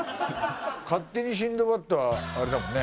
『勝手にシンドバッド』はあれだもんね。